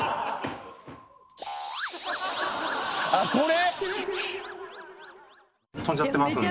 あっこれ？